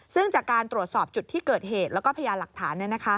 ซึ่งจากการตรวจสอบจุดที่เกิดเหตุแล้วก็พยานหลักฐาน